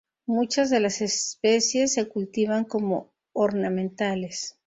Muchas de las especies se cultivan como ornamentales.